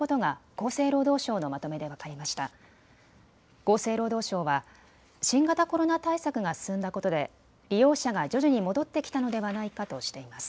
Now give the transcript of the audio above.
厚生労働省は新型コロナ対策が進んだことで利用者が徐々に戻ってきたのではないかとしています。